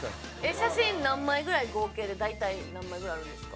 写真何枚ぐらい合計で大体何枚ぐらいあるんですか？